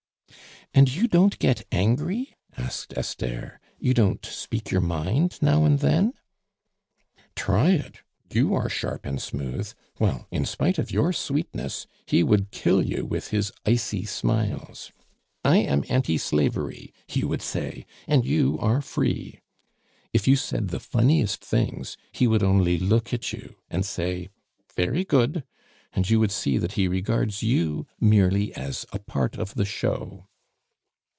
"And you don't get angry?" asked Esther; "you don't speak your mind now and then?" "Try it you are sharp and smooth. Well, in spite of your sweetness, he would kill you with his icy smiles. 'I am anti slavery,' he would say, 'and you are free.' If you said the funniest things, he would only look at you and say, 'Very good!' and you would see that he regards you merely as a part of the show."